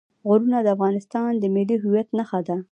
غرونه د افغانستان د ملي هویت نښه ده.